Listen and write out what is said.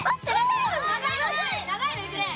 長いのいくね！